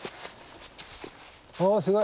おすごい。